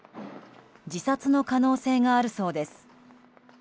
自殺の可能性があるそうです。